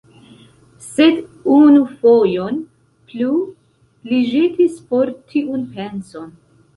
Sed unufojon plu li ĵetis for tiun penson.